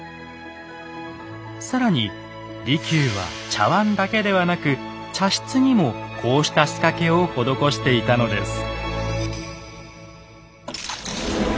更に利休は茶碗だけではなく茶室にもこうした仕掛けを施していたのです。